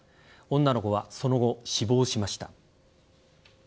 女の子はその後、死亡しました。